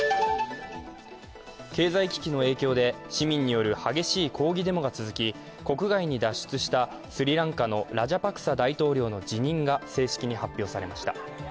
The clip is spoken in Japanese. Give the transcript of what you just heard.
経済危機の影響で市民による激しい抗議デモが続き国外に脱出したスリランカのラジャパクサ大統領の辞任が正式に発表されました。